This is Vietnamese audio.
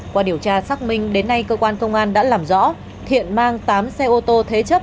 qua điều tra xác minh đến nay cơ quan công an đã làm rõ thiện mang tám xe ô tô thế chấp